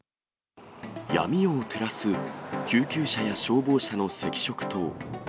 闇夜を照らす救急車や消防車の赤色灯。